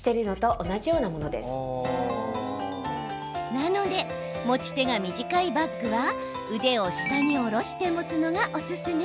なので、持ち手が短いバッグは腕を下に下ろして持つのがおすすめ。